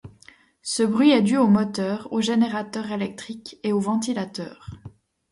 Ce bruit est dû aux moteurs, aux générateurs électriques et aux ventilateurs.